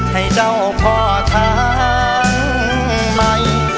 ให้เจ้าพ่อทางใหม่